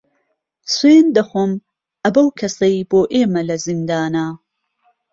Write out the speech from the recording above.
سوێند دەخۆم ئە بەو کەسەی بۆ ئێمە لە زیندانە